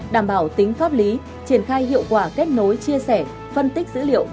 đảm bảo tính pháp lý triển khai hiệu quả kết nối chia sẻ phân tích dữ liệu